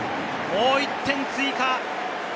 もう１点追加。